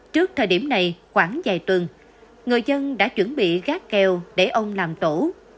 trước thời điểm này khoảng vài tuần người dân đã chuẩn bị gác kèo để ông làm tổ